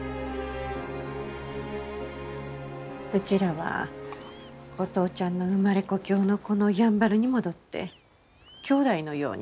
うちらはお父ちゃんの生まれ故郷のこのやんばるに戻ってきょうだいのように暮らし始めた。